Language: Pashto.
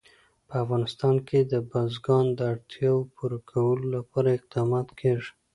په افغانستان کې د بزګان د اړتیاوو پوره کولو لپاره اقدامات کېږي.